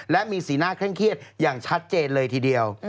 และมีสีหน้าเคร่งเครียดอย่างชัดเจนเลยทีเดียว